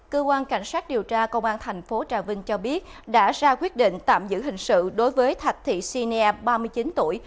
cơ quan cảnh sát điều tra công an tp hcm cho biết đã ra quyết định tạm giữ hình sự đối với thạch thị sinea ba mươi chín tuổi